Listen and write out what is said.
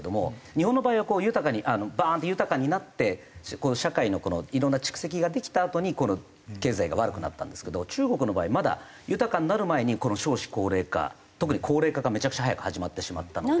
日本の場合はこう豊かにバーンって豊かになって社会のいろんな蓄積ができたあとに経済が悪くなったんですけど中国の場合まだ豊かになる前にこの少子高齢化特に高齢化がめちゃくちゃ早く始まってしまったので。